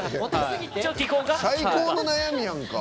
最高の悩みやんか。